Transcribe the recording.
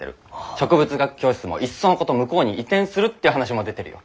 植物学教室もいっそのこと向こうに移転するって話も出てるよ。